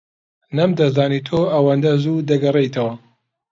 نەمدەزانی تۆ ئەوەندە زوو دەگەڕێیتەوە.